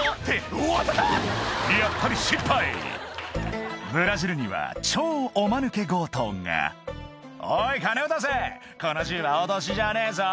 やっぱり失敗ブラジルには超おマヌケ強盗が「おい金を出せこの銃は脅しじゃねえぞ」